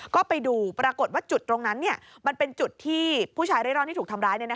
ก็ไปดูปรากฏว่าจุดตรงนั้นมันเป็นจุดที่ผู้ชายเร่ร่อนที่ถูกทำร้าย